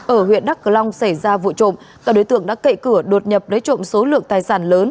ở huyện đắk cờ long xảy ra vụ trộm tạo đối tượng đã kệ cửa đột nhập đối trộm số lượng tài sản lớn